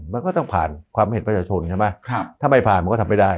มันก็ต้องผ่านความเห็นประชาชนใช่ไหมถ้าไม่ผ่านมันก็ทำไม่ได้